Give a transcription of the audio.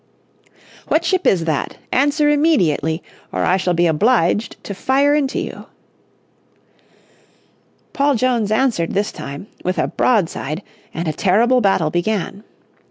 "What ship is that? Answer immediately, or I shall be obliged to fire into you." Paul Jones answered this time with a broadside and a terrible battle began.